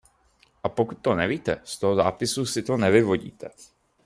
A pokud to nevíte, z toho nápisu si to nevyvodíte.